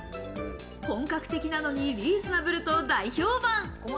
本格的なのにリーズナブルと大評判。